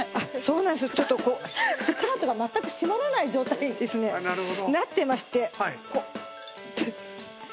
ちょっとスカートが全く締まらない状態にですねなってまして。